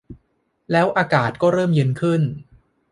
แล้วอากาศก็เริ่มเย็นขึ้น